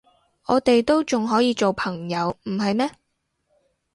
我哋都仲可以做朋友，唔係咩？